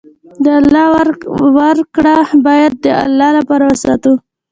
د الله ورکړه باید د الله لپاره وساتو.